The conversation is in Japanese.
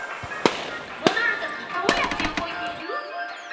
もどるときどうやって動いている？